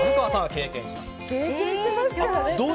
経験してますからね。